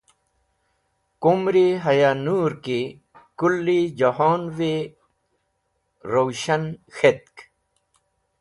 Kum’ri Haya Nũr ki kũli jahon’vi rũs̃han k̃hetk?